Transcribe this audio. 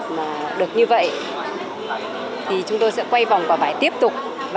mà được như vậy thì chúng tôi sẽ quay vòng quả vải tiếp tục